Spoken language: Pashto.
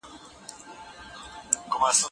که هوښیاري وي نو دوکه نه کیږي.